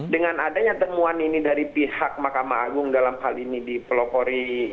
dengan adanya temuan ini dari pihak mahkamah agung dalam hal ini dipelopori